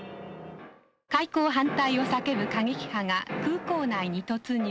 開港反対を叫ぶ過激派が空港内に突入。